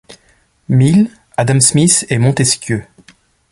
Mill, Adam Smith et Montesquieu.